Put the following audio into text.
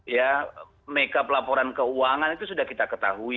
ya make up laporan keuangan itu sudah kita ketahui